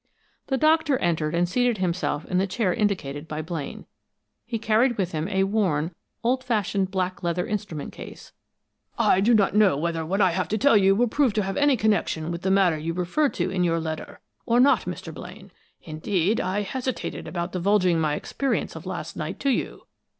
The doctor entered and seated himself in the chair indicated by Blaine. He carried with him a worn, old fashioned black leather instrument case. "I do not know whether what I have to tell you will prove to have any connection with the matter you referred to in your letter or not, Mr. Blaine. Indeed, I hesitated about divulging my experience of last night to you.